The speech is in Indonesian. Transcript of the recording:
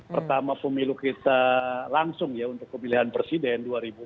pertama pemilu kita langsung ya untuk pemilihan presiden dua ribu dua puluh